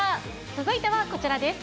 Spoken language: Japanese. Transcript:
続いてはこちらです。